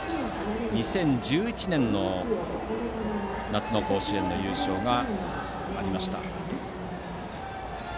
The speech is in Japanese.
２０１１年の夏の甲子園の優勝がありました。